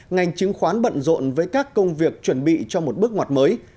ngành chứng khoán bận rộn với các công việc chuẩn bị cho một bước ngoặt mới